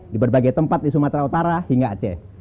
di berbagai tempat di sumatera utara hingga aceh